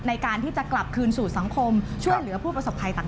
ในการที่จะกลับคืนสู่สังคมช่วยเหลือผู้ประสบภัยต่าง